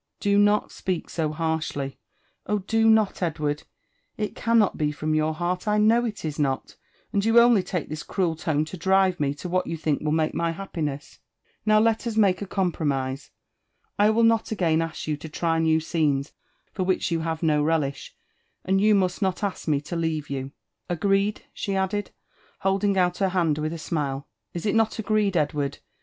'* Do not speak so harshly— K>h, do not, Edward I It cannot be from your heart, I know it is not ; and you only take this cruel tone to driv9 me to what you think will make my happiness. Now let us make a to S0O UFl AND JkDVENTimES OF tompibaiisB. I Will ilot again wA pou to try new itoiids Ibr whl«h you have do relifth, and you must: not ask me to ieaire you. — Agt^e^ T' she added, holding out her hand wilh a smile ;*' is it not agreed, Ed ward